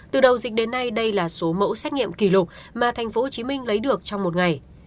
từ đầu dịch đến nay đây là số mẫu xét nghiệm kỷ lục mà tp hcm lấy được trong một ngày